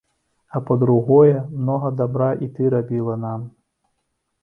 А па-другое, многа дабра і ты рабіла нам.